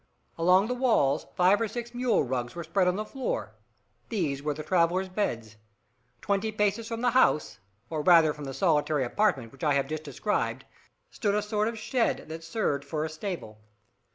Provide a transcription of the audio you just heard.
Along the walls five or six mule rugs were spread on the floor. These were the travellers' beds. Twenty paces from the house, or rather from the solitary apartment which I have just described, stood a sort of shed, that served for a stable.